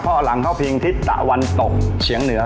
เพราะหลังเขาเพียงทิศตะวันตกเฉียงเหนือ